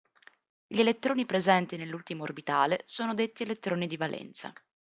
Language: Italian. Gli elettroni presenti nell'ultimo orbitale sono detti "elettroni di valenza".